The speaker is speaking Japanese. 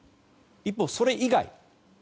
一方、それ以外。